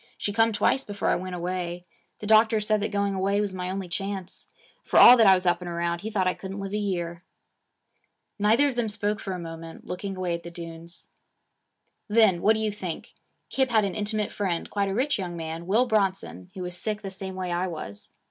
She come twice before I went away. The doctor said that going away was my only chance. For all that I was up and around, he thought I couldn't live a year.' Neither of them spoke for a moment, looking away at the dunes. 'Then what do you think Kip had an intimate friend, quite a rich young man, Will Bronson, who was sick the same way I was.